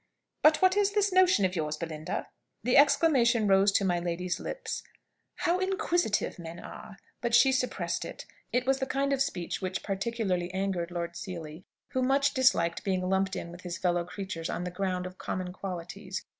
"But what is this notion of yours, Belinda?" The exclamation rose to my lady's lips, "How inquisitive men are!" but she suppressed it. It was the kind of speech which particularly angered Lord Seely, who much disliked being lumped in with his fellow creatures on the ground of common qualities.